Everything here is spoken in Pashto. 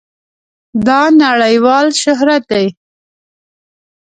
دا نړېوال شهرت دی.